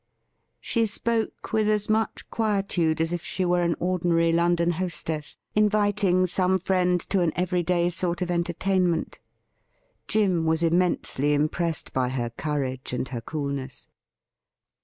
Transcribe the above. She spoke with as much quietude as if she were an ordinary London hostess inviting some friend to an every day sort of entertainment. Jim was immensely impressed by her courage and her coolness.